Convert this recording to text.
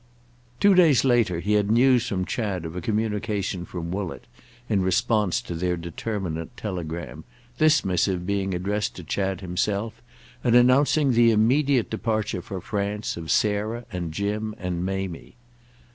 Two days later he had news from Chad of a communication from Woollett in response to their determinant telegram, this missive being addressed to Chad himself and announcing the immediate departure for France of Sarah and Jim and Mamie.